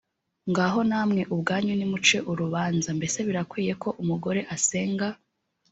ngaho namwe ubwanyu nimuce urubanza mbese birakwiriye ko umugore asenga